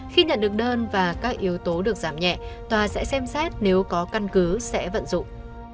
khi nhận được đơn và các yếu tố được giảm nhẹ tòa sẽ xem xét nếu có căn cứ sẽ vận dụng